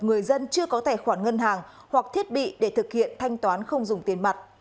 người dân chưa có tài khoản ngân hàng hoặc thiết bị để thực hiện thanh toán không dùng tiền mặt